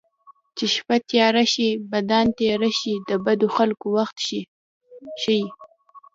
چې شپه تیاره شي بدان تېره شي د بدو خلکو وخت ښيي